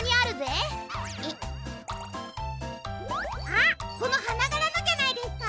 あっこのはながらのじゃないですか？